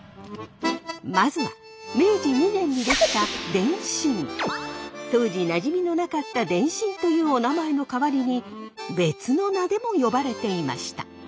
まずは明治２年に出来た当時なじみのなかった電信というおなまえの代わりに別の名でも呼ばれていました。